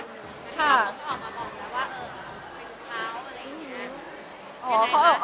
คนที่ออกมาบอกว่าไปดูเค้าอะไรขึ้น